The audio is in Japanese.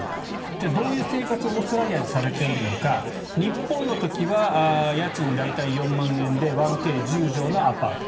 じゃあどういう生活オーストラリアでされているのか日本の時は家賃、大体４万円で１Ｋ１０畳のアパート。